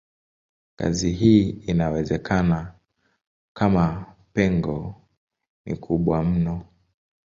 Kazi hii haiwezekani kama pengo ni kubwa mno.